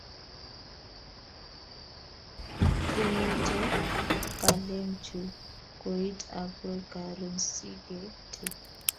Kemete kaleng chu koit akoi karon si ke til